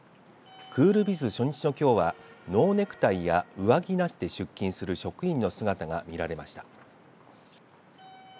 クールビズ初日のきょうはノーネクタイや上着なしで出勤する職員の姿が見られました。